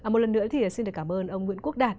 một lần nữa thì xin được cảm ơn ông nguyễn quốc đạt